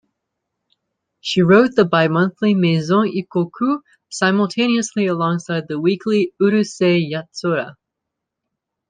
She wrote the bimonthly "Maison Ikkoku" simultaneously alongside the weekly "Urusei Yatsura".